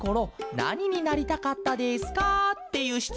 なにになりたかったですか？」っていうしつもんだケロ。